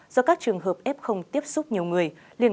do các trường hợp f tiếp xúc nhiều người